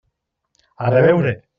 A reveure!